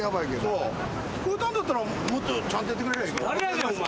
聴こえたんだったらもっとちゃんとやってくれりゃ。